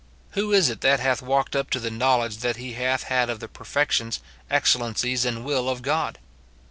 Who is it that hath walked up to the knowledge that he hath had of the perfections, excellencies, and will of God